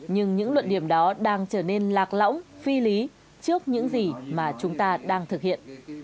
nhưng những luận điểm đó đang trở nên lạc lõng phi lý trước những gì mà chúng ta đang thực hiện